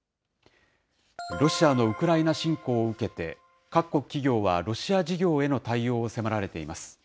ロシアのウクライナ侵攻を受けて、各国企業はロシア事業への対応を迫られています。